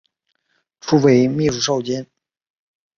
初为秘书少监。